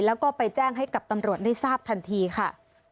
แล้วก็ไปแจ้งให้กับตำรวจได้ทราบทันทีค่ะ